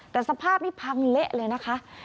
แต่สภาพนี้พังเละเลยนะคะ